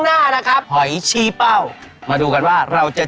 โอ้วันนี้ได้รับความรู้มากเลยนะฮะ